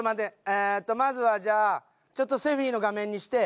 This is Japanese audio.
えーっとまずはじゃあちょっとセフィの画面にして。